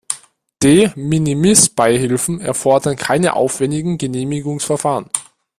De-minimis-Beihilfen erfordern keine aufwändigen Genehmigungsverfahren.